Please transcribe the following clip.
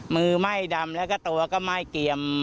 มือไหม้ดำแล้วก็ตัวก็ไหม้เกลี่ยม